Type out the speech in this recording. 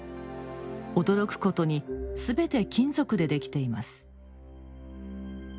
驚くことに全て金属でできています